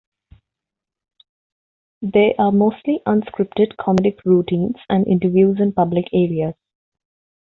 They are mostly unscripted comedic routines and interviews in public areas.